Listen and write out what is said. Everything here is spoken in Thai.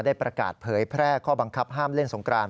ได้ประกาศเผยแพร่ข้อบังคับห้ามเล่นสงกราน